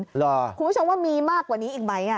คุณผู้ชมว่ามีมากกว่านี้อีกไหม